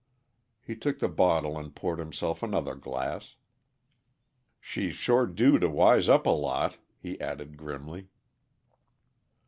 He took the bottle and poured himself another glass. "She's sure due to wise up a lot," he added grimly.